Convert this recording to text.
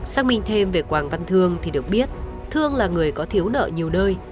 xác minh thêm về quảng văn thương thì được biết thương là người có thiếu nợ nhiều nơi